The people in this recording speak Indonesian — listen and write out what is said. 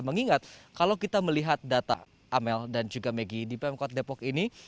mengingat kalau kita melihat data amel dan juga megi di pemkot depok ini